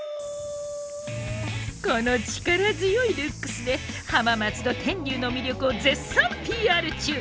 この力強いルックスで浜松と天竜の魅力を絶賛ＰＲ中！